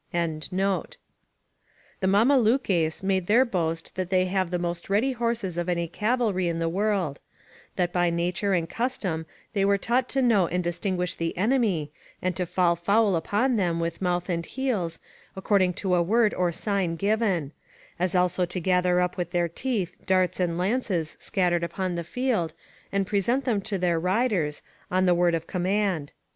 ] The Mamalukes make their boast that they have the most ready horses of any cavalry in the world; that by nature and custom they were taught to know and distinguish the enemy, and to fall foul upon them with mouth and heels, according to a word or sign given; as also to gather up with their teeth darts and lances scattered upon the field, and present them to their riders, on the word of command.